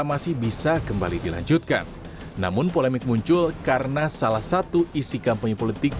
masih bisa kembali dilanjutkan namun polemik muncul karena salah satu isi kampanye politik